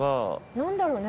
何だろうね？